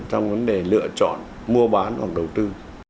trong vấn đề lựa chọn mua bán hoặc đầu tư